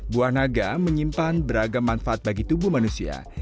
buah naga menyimpan beragam manfaat bagi tubuh manusia